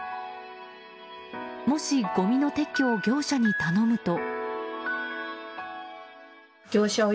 もし、ごみの撤去を業者に頼むと。